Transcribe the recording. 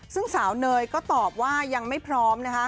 ซึ่งสาวเนยก็ตอบว่ายังไม่พร้อมนะคะ